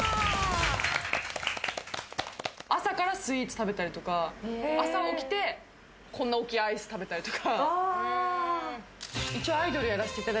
朝からスイーツ食べたりとか、朝起きてこんな大きいアイスを食べたりとか。